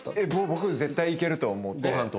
僕絶対いけると思って。